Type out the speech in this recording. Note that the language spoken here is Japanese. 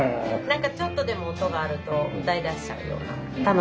何かちょっとでも音があると歌いだしちゃうような楽しい人です。